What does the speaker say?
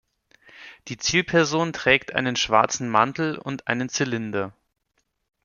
Die Zielperson trägt einen schwarzen Mantel und einen Zylinder.